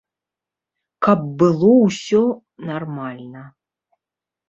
Каб было ўсё нармальна.